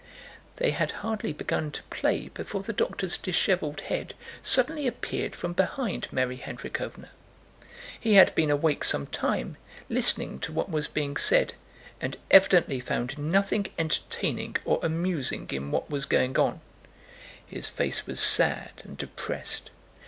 They had hardly begun to play before the doctor's disheveled head suddenly appeared from behind Mary Hendríkhovna. He had been awake for some time, listening to what was being said, and evidently found nothing entertaining or amusing in what was going on. His face was sad and depressed.